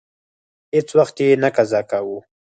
هیڅ وخت یې نه قضا کاوه.